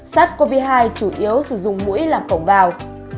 sars cov hai chủ yếu sử dụng mũi làm phổng vào